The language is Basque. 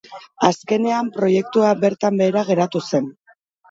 Azkenean proiektua bertan behera geratu zen.